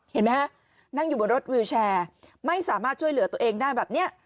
เห็นไหมฮะนั่งอยู่บนรถวิวแชร์ไม่สามารถช่วยเหลือตัวเองได้แบบนี้